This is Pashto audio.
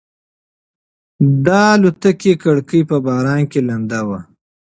د الوتکې کړکۍ په باران کې لنده وه.